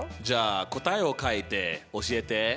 じゃあ答えを書いて教えて。